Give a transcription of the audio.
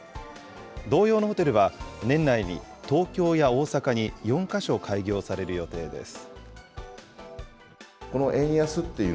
同様のホテルは年内に東京や大阪に４か所開業される予定です。